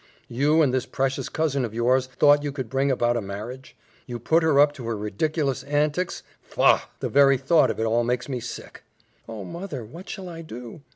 You and this precious cousin of yours thought you could bring about a marriage; you put her up to her ridiculous antics. Faugh! The very thought of it all makes me sick." "Oh, mother, what shall I do?"